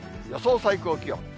予想最高気温。